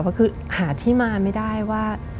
ก็คือหาที่มาไม่ได้ว่า